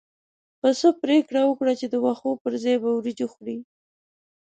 پسه پرېکړه وکړه چې د واښو پر ځای به وريجې خوري.